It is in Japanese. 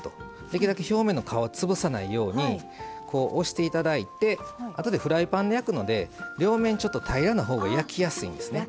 できるだけ表面の皮潰さないように押して頂いてあとでフライパンで焼くので両面平らなほうが焼きやすいんですね。